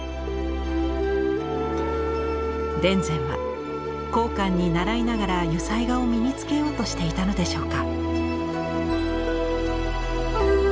田善は江漢にならいながら油彩画を身につけようとしていたのでしょうか。